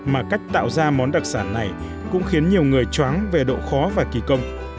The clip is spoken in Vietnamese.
mà cách tạo ra món đặc sản này cũng khiến nhiều người choáng về độ khó và kỳ công